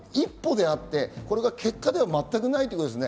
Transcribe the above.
ここは一歩であって、結果では全くないということですね。